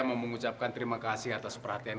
saya mengucapkan terima kasih atas perhatian